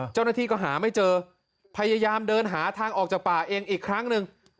เจ้าหน้าที่ก็หาไม่เจอพยายามเดินหาทางออกจากป่าเองอีกครั้งหนึ่ง